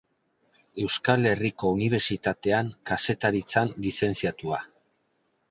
Euskal Herriko Unibertsitatean Kazetaritzan lizentziatua.